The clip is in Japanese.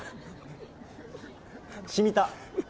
しみた？